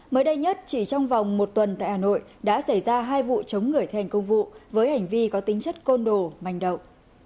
mới đây nhất chỉ trong vòng một tuần tại hà nội đã xảy ra hai vụ chống người thi hành công vụ với hành vi có tính chất côn đồ manh động